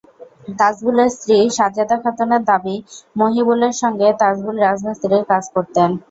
তাজবুলের স্ত্রী সাজেদা খাতুনের দাবি, মহিবুলের সঙ্গে তাজবুল রাজমিস্ত্রির কাজ করতেন।